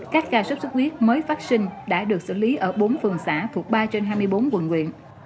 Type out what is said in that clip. các ca sốt sốt huyết mới phát sinh đã được xử lý ở bốn phường xã thuộc ba trên hai mươi bốn quận nguyện